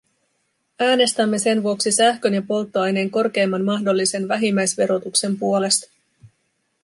Äänestämme sen vuoksi sähkön ja polttoaineen korkeimman mahdollisen vähimmäisverotuksen puolesta.